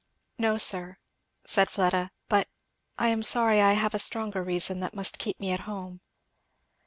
"No sir," said Fleda, "but I am sorry I have a stronger reason that must keep me at home."